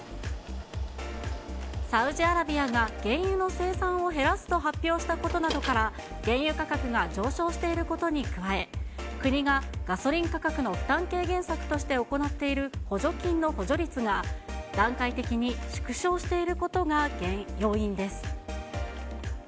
サウジアラビアが原油の生産を減らすと発表したことなどから、原油価格が上昇していることに加え、国がガソリン価格の負担軽減策として行っている補助金の補助率が段階的に縮小していることが要因です。